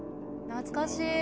懐かしい！